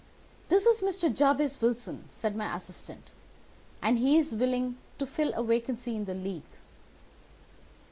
"'This is Mr. Jabez Wilson,' said my assistant, 'and he is willing to fill a vacancy in the League.